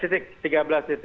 tiga belas titik ya